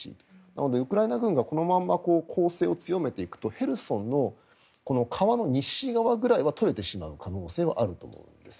なので、ウクライナ軍がこのまま攻勢を強めていくとヘルソンの川の西側ぐらいは取れてしまう可能性はあると思うんです。